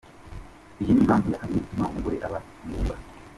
Anovulation : Iyi ni impamvu ya kabiri ituma umugore aba ingumba.